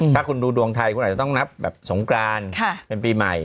ถ้าคุณดูดวงไทยคุณอาจจะต้องนับแบบสงกรานเป็นปีใหม่